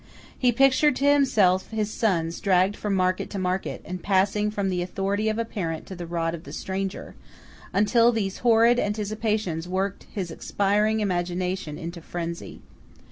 He pictured to himself his sons dragged from market to market, and passing from the authority of a parent to the rod of the stranger, until these horrid anticipations worked his expiring imagination into frenzy.